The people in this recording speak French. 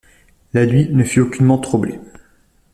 La nuit ne fut aucunement troublée.